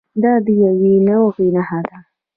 دا د یوې نوعې نښه ده.